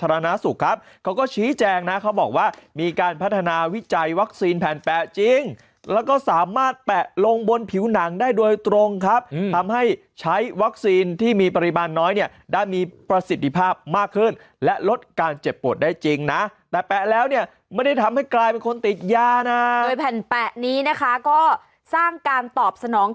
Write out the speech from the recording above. ผู้บริโภคเขาก็ต้องปรับตัวใช่ไหมครับ